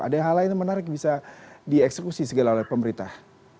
ada hal lain yang menarik bisa dieksekusi segala oleh pemerintah